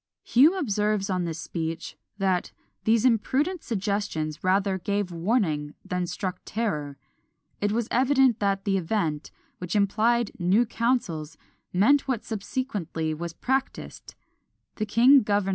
Hume observes on this speech, that "these imprudent suggestions rather gave warning than struck terror." It was evident that the event, which implied "new counsels," meant what subsequently was practised the king governing without a parliament!